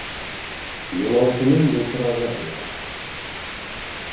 Юлаусының юлтырағы тейә.